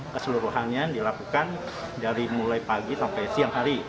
keseluruhannya dilakukan dari mulai pagi sampai siang hari